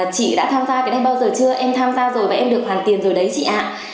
chị đã tham gia cái này bao giờ chưa em tham gia rồi và em được hoàn tiền rồi đấy chị ạ